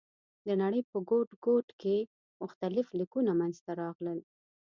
د نړۍ په ګوټ ګوټ کې مختلف لیکونه منځ ته راغلل.